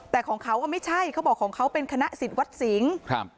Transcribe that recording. แต่ของเขาก็ไม่ใช่เขาบอกของเขาเป็นคณะสิทธิ์วัดสิงห์ครับ